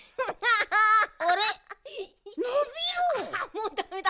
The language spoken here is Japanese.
もうダメだ。